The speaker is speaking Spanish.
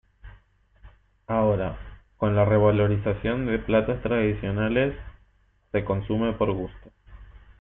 Ahora, con la revalorización de platos tradicionales, se consume por gusto.